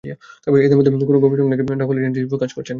এদের মধ্যে কোনো কোনো গবেষক নাকি ডাবল এজেন্ট হিসেবেও কাজ করেছেন।